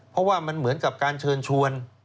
เพราะว่ามันเหมือนกับการเชิญชวน